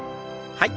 はい。